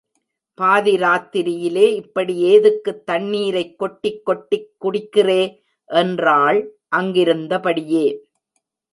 பாதி ராத்திரியிலே இப்படி ஏதுக்குத் தண்ணீரைக் கொட்டிக் கொட்டிக் குடிக்கிறே? என்றாள் அங்கிருந்தபடியே.